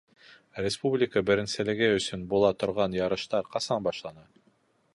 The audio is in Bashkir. Республика беренселеге өсөн була торған ярыштар ҡасан башлана?